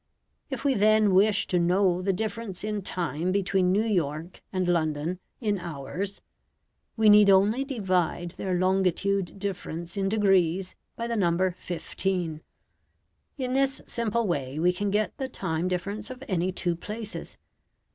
If we then wish to know the difference in time between New York and London in hours, we need only divide their longitude difference in degrees by the number 15. In this simple way we can get the time difference of any two places.